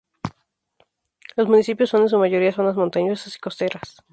Los municipios son en su mayoría zonas montañosas y costeras.